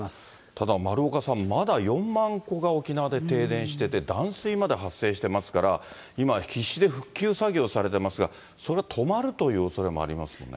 ただ丸岡さん、まだ４万戸が沖縄で停電してて、断水まで発生してますから、今、必死で復旧作業をされてますが、それが止まるというおそれもありますよね。